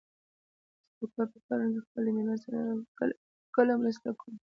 زه د کور په کارونو کې خپل د مېرمن سره کله ناکله مرسته کوم.